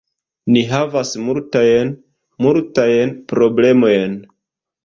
Ni havas multajn, multajn problemojn.